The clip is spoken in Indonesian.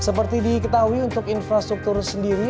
seperti diketahui untuk infrastruktur sendiri